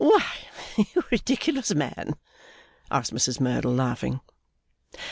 'Why, you ridiculous man?' asked Mrs Merdle, laughing.